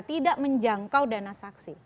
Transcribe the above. tidak menjangkau dana saksi